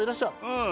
うん。